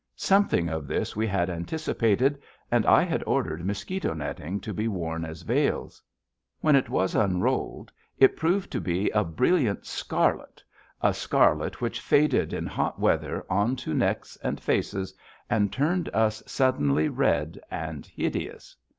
Something of this we had anticipated, and I had ordered mosquito netting, to be worn as veils. When it was unrolled, it proved to be a brilliant scarlet, a scarlet which faded in hot weather on to necks and faces and turned us suddenly red and hideous.